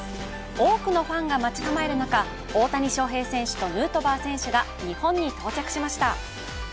多くのファンが待ち構える中、大谷翔平選手とヌートバー選手が日本に到着しました。